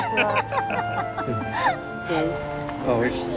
おいしい。